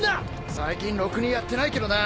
最近ろくにやってないけどな。